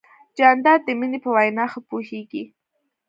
جانداد د مینې په وینا ښه پوهېږي.